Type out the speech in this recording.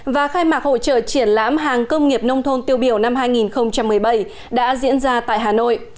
và khai mạc hội trợ triển lãm hàng công nghiệp nông thôn tiêu biểu năm hai nghìn một mươi bảy đã diễn ra tại hà nội